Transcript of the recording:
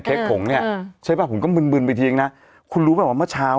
เค้กหงเนี้ยใช่ป่ะผมก็บึนบึนไปทีเองน่ะคุณรู้ป่ะว่าเมื่อเช้า